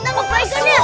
terima kasih ya allah